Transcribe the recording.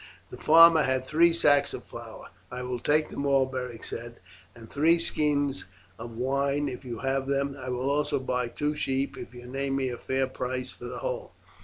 The farmer had three sacks of flour. "I will take them all," Beric said, "and three skins of wine if you have them. I would also buy two sheep if you name me a fair price for the whole."